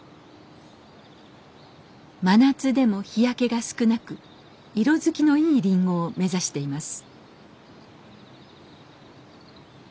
真夏でも日焼けが少なく色づきのいいリンゴを目指しています。